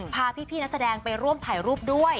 พาพี่นักแสดงไปร่วมถ่ายรูปด้วย